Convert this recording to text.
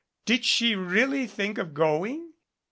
Did she really think of going?